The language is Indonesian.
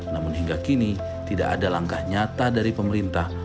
namun hingga kini tidak ada langkah nyata dari pemerintah